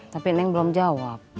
tapi neng belum jawab